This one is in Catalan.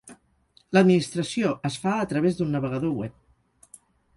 L'administració es fa a través d'un navegador web.